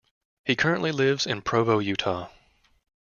He currently lives in Provo, Utah.